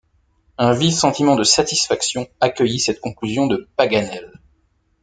Un vif sentiment de satisfaction accueillit cette conclusion de Paganel.